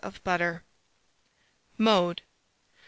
of butter. Mode.